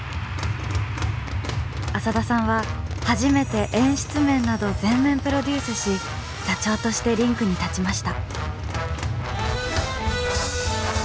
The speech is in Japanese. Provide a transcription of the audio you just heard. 浅田さんは初めて演出面など全面プロデュースし座長としてリンクに立ちました。